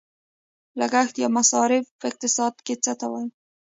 لګښت یا مصرف په اقتصاد کې څه ته وايي؟